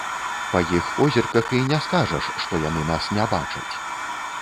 Па іх позірках і не скажаш, што яны нас не бачаць.